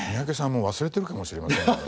もう忘れてるかもしれませんけどね。